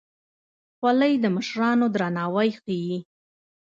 خولۍ د مشرانو درناوی ښيي.